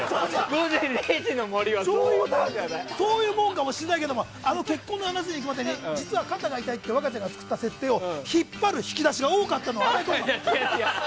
「午前０時の森」はそういうもんかもしれないけど結婚の話に行くまでに肩が痛いという話を若ちゃんが引っ張る引き出しが多かったの。